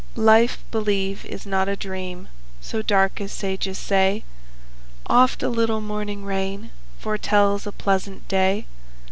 Life, believe, is not a dream So dark as sages say; Oft a little morning rain Foretells a pleasant day.